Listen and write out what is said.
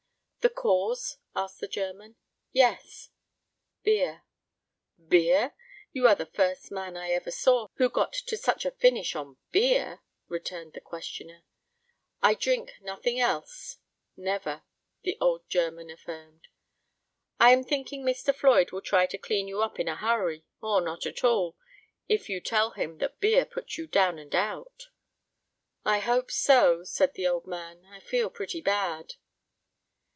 "The cause?" asked the German. "Yes." "Beer." "Beer! You are the first man I ever saw who got to such a finish on beer," returned the questioner. "I drink nothing else never," the old German affirmed. "I am thinking Mr. Floyd will try to clean you up in a hurry or not at all if you tell him that beer put you down and out." "I hope so," said the old man; "I feel pretty bad."